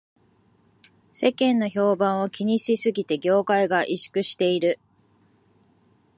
世間の評判を気にしすぎで業界が萎縮している